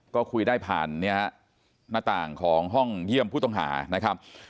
ไม่ได้ผ่านหน้าต่างของห้องเยี่ยมผู้ต้องหานะครับ